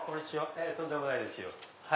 とんでもないですよ。